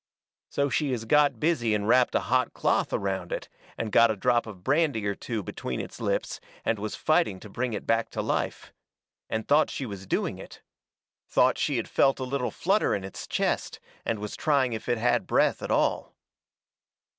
So she has got busy and wrapped a hot cloth around it, and got a drop of brandy or two between its lips, and was fighting to bring it back to life. And thought she was doing it. Thought she had felt a little flutter in its chest, and was trying if it had breath at all.